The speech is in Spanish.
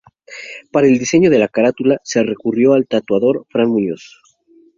Para el diseño de la carátula se recurrió al tatuador Fran Muñoz.